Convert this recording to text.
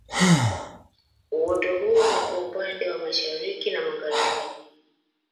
Uoto huo ni kwa upande wa Mashariki na Magharibi